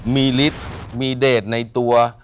มีฤทธิ์มีเดทในตัว